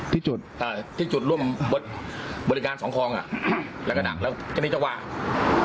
ที่จุดใช่ที่จุดร่วมบริการสองครองอ่ะหลักฐานแล้วก็นิจจักรวาล